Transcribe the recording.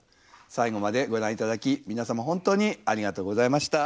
最後までご覧頂き皆様本当にありがとうございました。